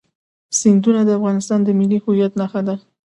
سیندونه د افغانستان د ملي هویت نښه ده.